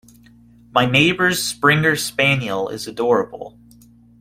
My neighbour’s springer spaniel is adorable